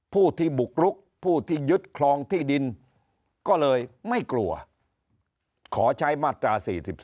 ผู้ที่บุกรุกผู้ที่ยึดครองที่ดินก็เลยไม่กลัวขอใช้มาตรา๔๔